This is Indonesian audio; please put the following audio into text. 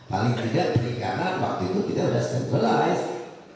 paling tidak perikanan waktu itu kita sudah centralized